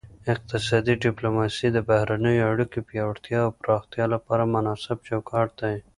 اقتصادي ډیپلوماسي د بهرنیو اړیکو پیاوړتیا او پراختیا لپاره مناسب چوکاټ دی